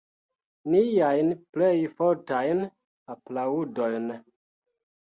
Niajn plej fortajn aplaŭdojn.